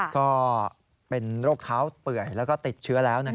ก็เป็นโรคเท้าเปื่อยแล้วก็ติดเชื้อแล้ว